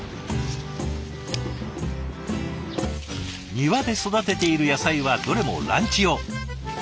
庭で育てている野菜はどれもランチ用。